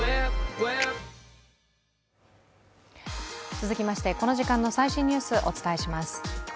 続きまして、この時間の最新ニュース、お伝えします。